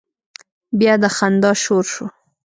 بيا د خندا شور شو.